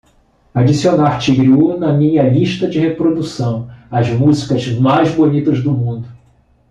adicionar tigre hu na minha lista de reprodução As músicas mais bonitas do mundo